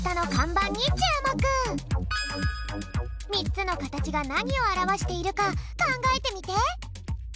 ３つのかたちがなにをあらわしているかかんがえてみて。